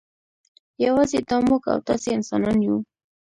یوازې دا موږ او تاسې انسانان یو.